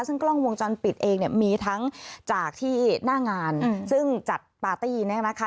ซึ่งกล้องวงจรปิดเองเนี่ยมีทั้งจากที่หน้างานซึ่งจัดปาร์ตี้เนี่ยนะคะ